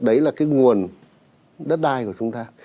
đấy là cái nguồn đất đai của chúng ta